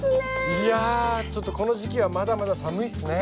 いやこの時期はまだまだ寒いっすね。